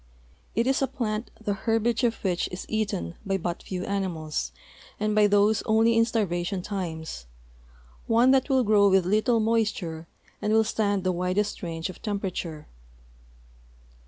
It is a plant the herbage of which is eaten by but few animals and by those only in starvation times, one that will grow with little moisture and will stand the widest range of temperature.